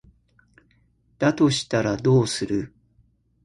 だとしたらどうする？